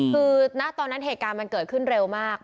คือณตอนนั้นเหตุการณ์มันเกิดขึ้นเร็วมาก